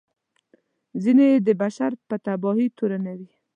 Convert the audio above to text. ځینې یې د بشر په تباهي تورنوي.